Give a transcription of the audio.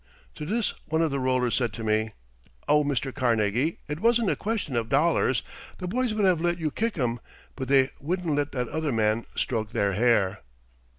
To this one of the rollers said to me: "Oh, Mr. Carnegie, it wasn't a question of dollars. The boys would have let you kick 'em, but they wouldn't let that other man stroke their hair."